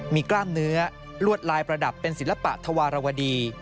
มีกล้ามเนื้อลวดลายประดับเป็นศิลปะธวารวดี